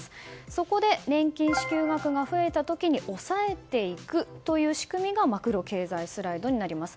そこで年金支給額が増えた時に抑えていくという仕組みがマクロ経済スライドになります。